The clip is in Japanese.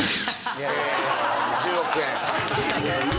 え１０億円。